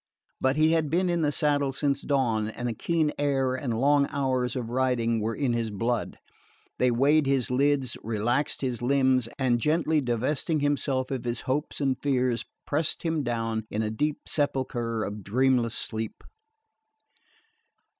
But he had been in the saddle since dawn, and the keen air and the long hours of riding were in his blood. They weighted his lids, relaxed his limbs, and gently divesting him of his hopes and fears, pressed him down in the deep sepulchre of a dreamless sleep...